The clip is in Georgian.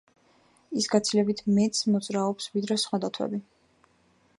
ის გაცილებით მეტს მოძრაობს, ვიდრე სხვა დათვები.